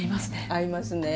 合いますね。